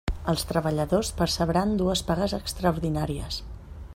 Els treballadors percebran dues pagues extraordinàries.